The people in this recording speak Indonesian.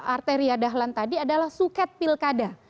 arteria dahlan tadi adalah suket pilkada